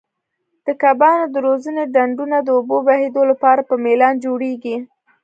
د کبانو د روزنې ډنډونه د اوبو بهېدو لپاره په میلان جوړیږي.